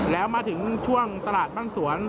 แล้วมาถึงช่วงตลาดบ้างสวน